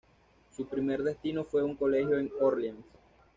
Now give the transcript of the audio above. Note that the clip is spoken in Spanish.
Su primer destino fue un colegio en Orleans.